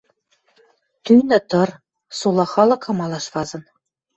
Тӱнӹ тыр, сола халык амалаш вазын.